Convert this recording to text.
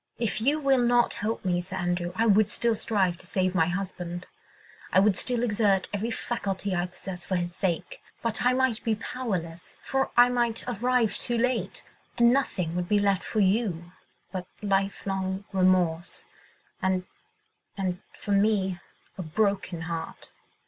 If you will not help me, Sir Andrew, I would still strive to save my husband. I would still exert every faculty I possess for his sake; but I might be powerless, for I might arrive too late, and nothing would be left for you but lifelong remorse, and ... and ... for me, a broken heart."